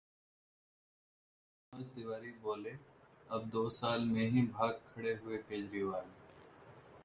मनोज तिवारी बोले- अब दो साल में ही भाग खड़े हुए केजरीवाल...